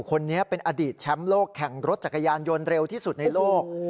คนนี้เป็นอดีตแชมป์โลกแข่งรถจักรยานยนต์เร็วที่สุดในโลก